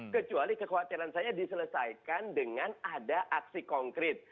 kecuali kekhawatiran saya diselesaikan dengan ada aksi konkret